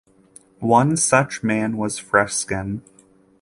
One such man was Freskin.